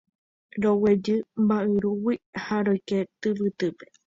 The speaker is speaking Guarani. Roguejy mba'yrúgui ha roike tyvytýpe